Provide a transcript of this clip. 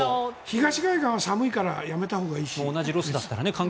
東海岸は寒いほうがやめたほうがいいし。